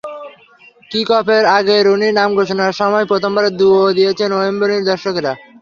কিক-অফের আগে রুনির নাম ঘোষণার সময় প্রথমবার দুয়ো দিয়েছেন ওয়েম্বলির দর্শকেরা।